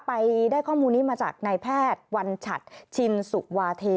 ไปได้ข้อมูลนี้มาจากนายแพทย์วัญชัดชินสุวาเท